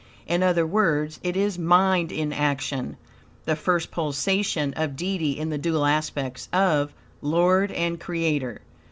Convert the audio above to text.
In other words, it is MIND IN ACTION, the first pulsation of Deity in the dual aspects of "Lord and Creator."